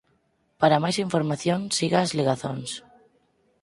Para máis información siga as ligazóns.